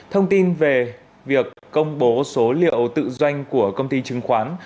thông tin về việc công bố số liệu tự doanh của công ty chứng khoán